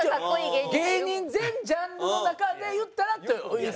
芸人全ジャンルの中で言ったらって。